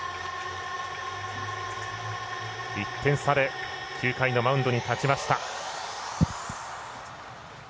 １点差で９回のマウンドに立ちました。